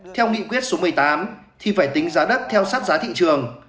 theo nghị quyết số một mươi tám thì phải tính giá đất theo sát giá thị trường